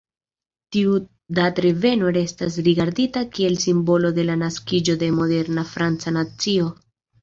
Tiu datreveno restas rigardita kiel simbolo de la naskiĝo de moderna franca nacio.